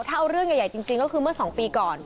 ถ้าเอาเรื่องใหญ่จริงก็คือเมื่อ๒ปีก่อน